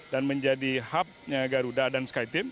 dan menjadi hub garuda dan sky team